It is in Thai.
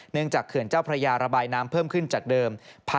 จากเขื่อนเจ้าพระยาระบายน้ำเพิ่มขึ้นจากเดิม